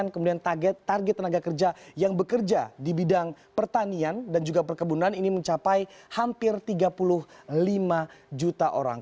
kemudian target tenaga kerja yang bekerja di bidang pertanian dan juga perkebunan ini mencapai hampir tiga puluh lima juta orang